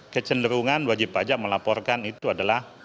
kecenderungan wajib pajak melaporkan itu adalah